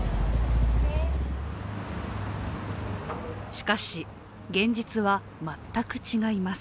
しかし、現実は全く違います。